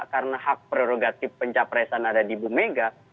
karena hak prerogatif pencapresan ada di ibu mega